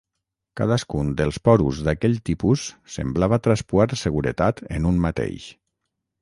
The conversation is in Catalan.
Cadascun dels porus d'aquell tipus semblava traspuar seguretat en un mateix.